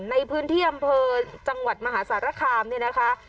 ในพื้นที่อำเภอจังหวัดมหาสารคามเนี่ยนะคะ